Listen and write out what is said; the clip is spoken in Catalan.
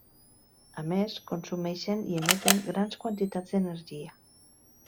A més, consumeixen i emeten grans quantitats d'energia.